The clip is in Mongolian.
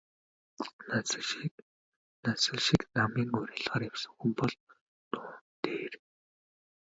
Нансал шиг намын уриалгаар явсан хүн бол дуун дээр...